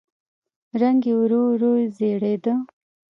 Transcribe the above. رنګ يې ورو ورو زېړېده.